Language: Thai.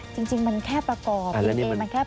จริงมันแค่ประกอบ